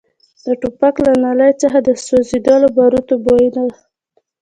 د ټوپک له نلۍ څخه د سوځېدلو باروتو بوی ته.